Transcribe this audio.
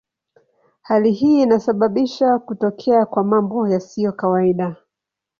Hali hii inasababisha kutokea kwa mambo yasiyo kawaida.